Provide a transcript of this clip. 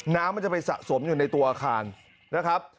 น้ำมันจะไปสะสมอยู่ในตัวอาคารนะครับ